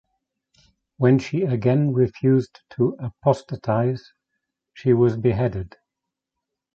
When she again refused to apostatize, she was beheaded.